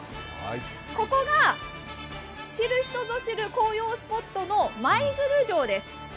ここが知る人ぞ知る紅葉スポットの舞鶴城です。